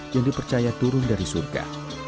yang dipercaya turun dari surga